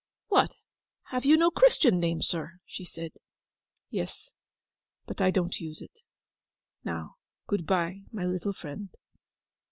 'What, have you no Christian name, sir?' she said. 'Yes, but I don't use it. Now, good bye, my little friend.